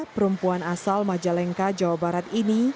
perempuan asal majalengka jawa barat ini